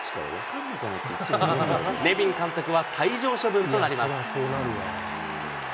ネビン監督は退場処分となります。